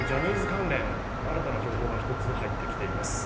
関連新たな情報が１つ入ってきています。